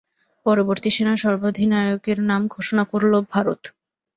পরবর্তী সেনা সর্বাধিনায়কের নাম ঘোষণা করল ভারত।